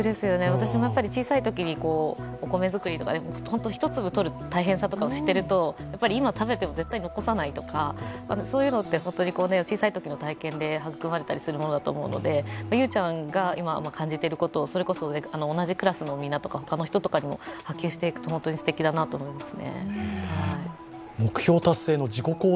私も小さいときにお米作りとか、一粒とる大変さとかを知っていると今食べても絶対残さないとかそういうのって小さいときの体験ですりこまれたりすると思うのでゆうちゃんが今、感じていること、それこそ同じクラスのみんなとか他の人とかにも波及していくと本当にすてきだなと思います。